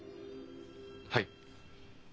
はい。